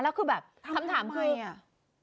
แล้วคือแบบคำถามคืออ่ะ